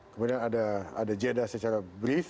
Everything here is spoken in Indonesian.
kemudian ada jeda secara brief